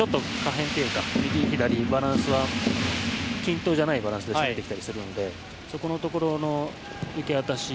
右、左バランスは均等じゃないバランスだったりするのでそこのところの受け渡し。